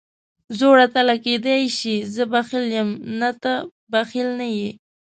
زوړ اتله، کېدای شي زه بخیل یم، نه ته بخیل نه یې.